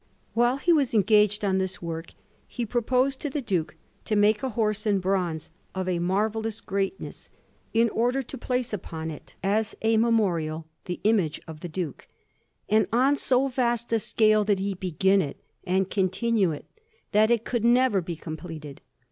While he was engaged on this work, he proposed to the Duke to make a horse in bronze, of a marvellous greatness, in order to place upon it, as a memorial, the image of the Duke. And on so vast a scale did he begin it and continue it, that it could never be completed.